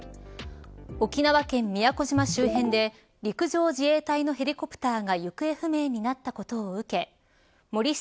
沖縄県宮古島周辺で陸上自衛隊のヘリコプターが行方不明になったことを受け森下